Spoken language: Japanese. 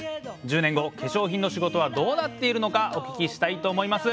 １０年後化粧品の仕事はどうなっているのかお聞きしたいと思います。